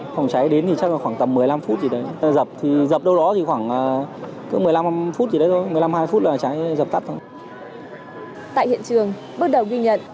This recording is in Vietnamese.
tại hiện trường bước đầu ghi nhận ba xe chữa cháy đã được dập tắt